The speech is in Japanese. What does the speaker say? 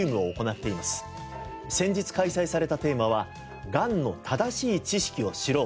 先日開催されたテーマは「がんの正しい知識を知ろう！